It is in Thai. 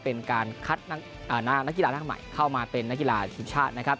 เป็นการคัดนักกีฬาหน้าใหม่เข้ามาเป็นนักกีฬาทีมชาตินะครับ